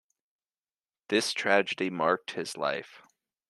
This tragedy marked his life.